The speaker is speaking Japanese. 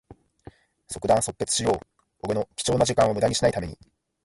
即断即決しよう。俺の貴重な時間をむだにしない為に。